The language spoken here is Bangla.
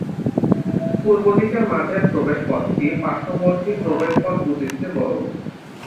পূর্বদিকের মাঝের প্রবেশ পথটি পার্শ্ববর্তী প্রবেশপথ দুটির চেয়ে বড়।